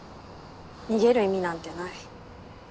逃げる意味なんてない。